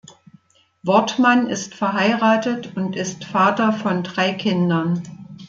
Wortmann ist verheiratet und ist Vater von drei Kindern.